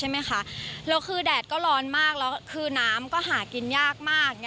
และแดดก็ร้อนมากและน้ำก็หากินยากมาก